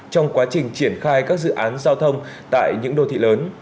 trong quá trình triển khai các dự án giao thông tại những đô thị lớn